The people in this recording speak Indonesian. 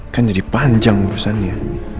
kan jadi panjang urusannya